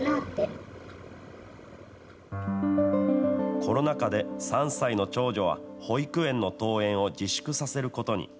コロナ禍で３歳の長女は、保育園の登園を自粛させることに。